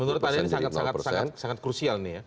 menurut anda ini sangat sangat krusial nih ya